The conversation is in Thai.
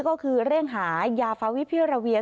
ก็คือเร่งหายาฟาวิพิราเวีย